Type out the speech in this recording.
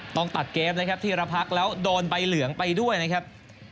ต้องตัดเกมนะครับธีรพักแล้วโดนใบเหลืองไปด้วยนะครับ